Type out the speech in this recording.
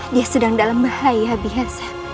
dia sedang dalam bahaya biasa